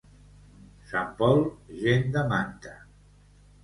Sant Pol, gent de manta.